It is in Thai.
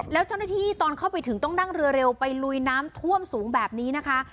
แล้วเจ้าหน้าที่ตอนเข้าไปถึงต้องนั่งเรือเร็วไปลุยน้ำท่วมสูงแบบนี้นะคะ